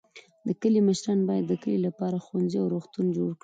د کلي مشران باید د کلي لپاره ښوونځی او روغتون جوړ کړي.